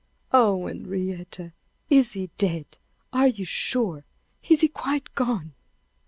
Oh, Henrietta! is he dead? Are you sure? Is he quite gone?"